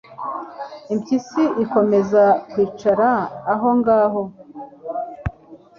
impyisi ikomeza kwicara aho ngaho